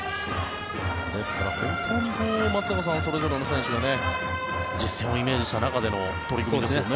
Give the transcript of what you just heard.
ですから、松坂さんそれぞれの選手が実戦をイメージした中での取り組みですよね。